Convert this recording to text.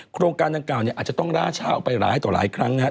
โครงการดังกล่าวเนี่ยอาจจะต้องล่าช้าออกไปหลายต่อหลายครั้งนะครับ